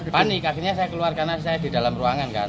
panik akhirnya saya keluar karena saya di dalam ruangan kan